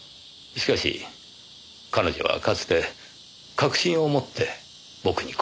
しかし彼女はかつて確信を持って僕にこう言いました。